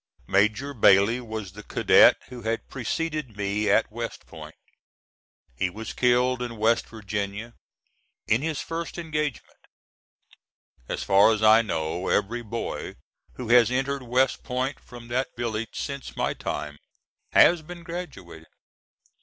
Major Bailey was the cadet who had preceded me at West Point. He was killed in West Virginia, in his first engagement. As far as I know, every boy who has entered West Point from that village since my time has been graduated.